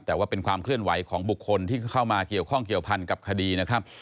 แต่ว่าเป็นความเคลื่อนไหวของบุคคลที่เข้ามาเกี่ยวข้องเกี่ยวพันกับคดีนะครับ